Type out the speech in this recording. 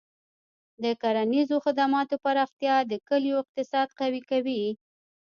د کرنیزو خدماتو پراختیا د کلیو اقتصاد قوي کوي.